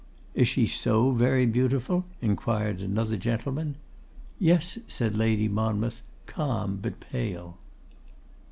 'Is she so very beautiful?' inquired another gentleman. 'Yes,' said Lady Monmouth, calm, but pale.